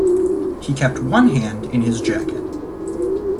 He kept one hand in his jacket.